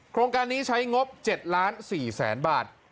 โครงการนี้ใช้งบ๗ล้าน๔แสนบาท